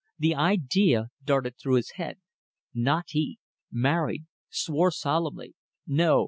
... The idea darted through his head. Not he! Married. ... Swore solemnly. No